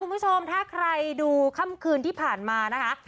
คุณผู้ชมถ้าใครดูค่ำคืนที่ผ่านมานะคะ